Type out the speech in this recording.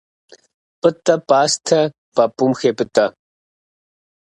Пӏытӏэ пӏастэ пӏапӏум хепӏытӏэ.